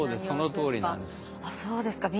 そのとおりなんです。